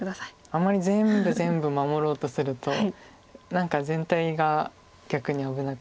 あんまり全部全部守ろうとすると何か全体が逆に危なくなったりとか。